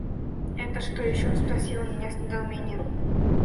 «Это что еще?» – спросил он меня с недоумением.